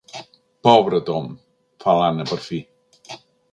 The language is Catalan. Pobre Tom –fa l'Anna per fi.